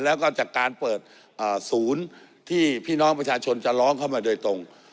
แล้วก็จากการเปิดศูนย์ที่พี่น้องประชาชนจะร้องเข้ามาโดยตรง